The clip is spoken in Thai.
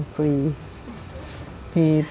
ฟรี